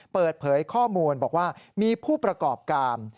เปิดเผยข้อมูลบอกว่ามีผู้ประกอบการ